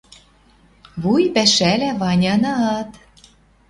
Вуй пӓшӓлӓ Ванянат.